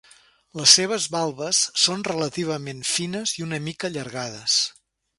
Les seves valves són relativament fines i una mica allargades.